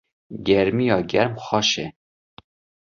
gêrmiya germ xweş e